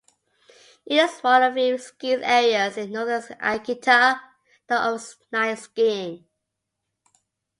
It is one of few ski areas in northern Akita that offers night skiing.